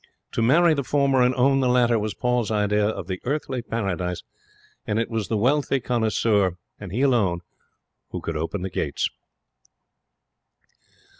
To marry the former and own the latter was Paul's idea of the earthly paradise, and it was the wealthy connoisseur, and he alone, who could open the gates.